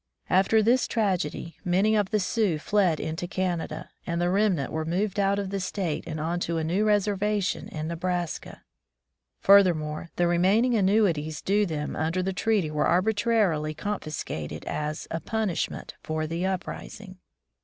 After this tragedy, many of the Sioux fled into Canada, and the renmant were moved out of the state and on to a new reservation in Nebraska. Furthermore, the remaining annuities due them under the treaty were arbitrarily confiscated as a "punishment" for the uprising.